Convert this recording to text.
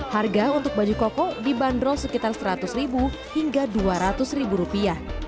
harga untuk baju koko dibanderol sekitar seratus ribu hingga dua ratus ribu rupiah